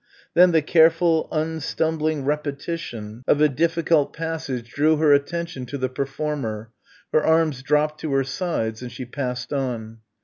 Then the careful unstumbling repetition of a difficult passage drew her attention to the performer, her arms dropped to her sides and she passed on.